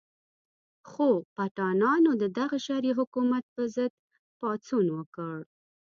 خو پټانانو د دغه شرعي حکومت په ضد پاڅون وکړ.